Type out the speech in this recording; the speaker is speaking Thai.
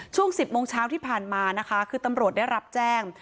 ช่วง๑๐โมงเช้าที่ผ่านมานะคะคือตำรวจได้รับแจ้ง